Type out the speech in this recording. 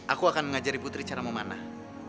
aku akan mengajari putri cara memanah